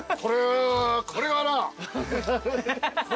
これがな。